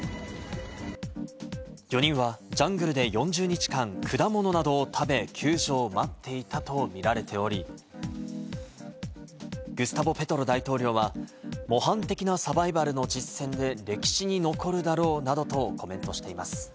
４人はジャングルで４０日間、果物などを食べ、救助を待っていたと見られており、グスタボ・ペトロ大統領は、模範的なサバイバルの実践で、歴史に残るだろうなどとコメントしています。